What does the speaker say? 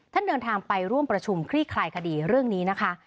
เดินทางไปร่วมประชุมคลี่คลายคดีเรื่องนี้นะคะ